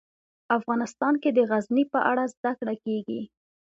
افغانستان کې د غزني په اړه زده کړه کېږي.